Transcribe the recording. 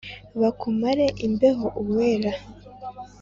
bakumare imbeho uwera